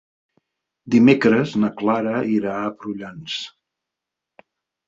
Dimecres na Clara irà a Prullans.